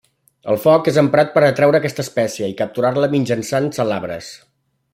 El foc és emprat per atraure aquesta espècie i capturar-la mitjançant salabres.